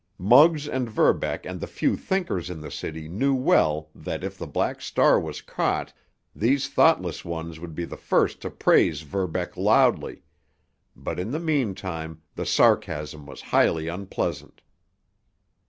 Muggs and Verbeck and the few thinkers in the city knew well that, if the Black Star was caught, these thoughtless ones would be the first to praise Verbeck loudly; but in the meantime the sarcasm was highly unpleasant.